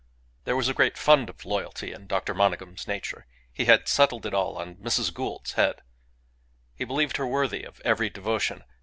There was a great fund of loyalty in Dr. Monygham's nature. He had settled it all on Mrs. Gould's head. He believed her worthy of every devotion.